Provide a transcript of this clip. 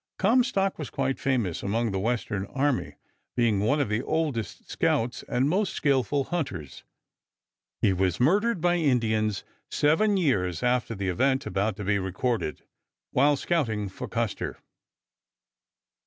Comstock was quite famous among the Western army being one of the oldest scouts and most skillful hunters. He was murdered by Indians seven years after the event about to be recorded, while scouting for Custer.